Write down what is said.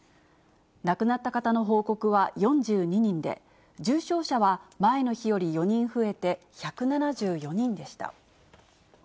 亡くなった方の報告は４２人で、重症者は前の日より４人増えて１７４人でした。